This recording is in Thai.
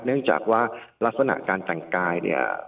เนื่องจากว่ารักษณะการแต่งกาย